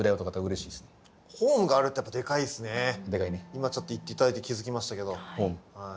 今ちょっと言って頂いて気付きましたけどはい。